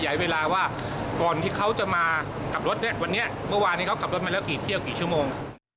เวลาว่าก่อนที่เขาจะมากลับรถเนี่ยวันนี้เมื่อวานนี้เขาขับรถมาแล้วกี่เที่ยวกี่ชั่วโมง